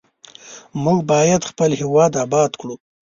موږ باید خپل هیواد آباد کړو.